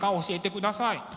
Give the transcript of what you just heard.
教えてください。